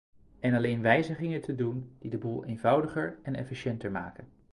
En alleen wijzigingen te doen die de boel eenvoudiger en efficiënter maken.